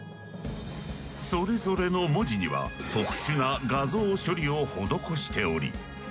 それぞれの文字には特殊な画像処理を施しており。